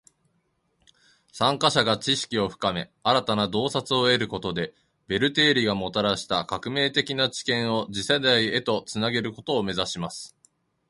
参加者が知識を深め，新たな洞察を得ることで，ベル定理がもたらした革命的な知見を次世代へと繋げることを目指します．